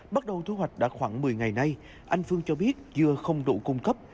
bắt đầu thu hoạch đã khoảng một mươi ngày nay anh phương cho biết dưa không đủ cung cấp